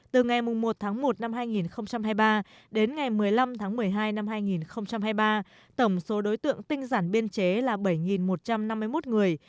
từ ngày một tháng một năm hai nghìn hai mươi ba đến ngày một mươi năm tháng một mươi hai năm hai nghìn hai mươi ba tổng số đối tượng tinh giản biên chế là bảy một trăm năm mươi một người